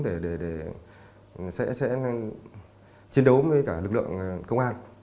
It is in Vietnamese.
để sẽ chiến đấu với cả lực lượng công an